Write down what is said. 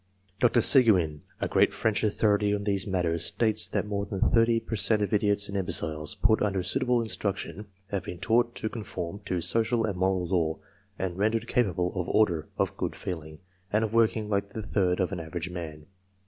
Dr. Seguin, a great French authority on these matters, states that more than thirty per cent, of idiots and imbeciles, put under suitable 22 CLASSIFICATION OF MEN instruction, have been taught to conform to social and moral law, and rendered capable of order, of good feel ing, and of working like the third of an average man.